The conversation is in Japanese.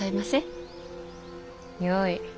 よい。